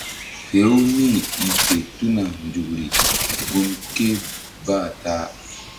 Fe-u mí i fe tuna nzukri gun ké bah ta.